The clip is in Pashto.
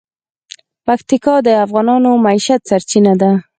پکتیکا د افغانانو د معیشت سرچینه ده.